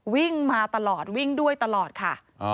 วิ่งมาตลอดวิ่งด้วยตลอดค่ะ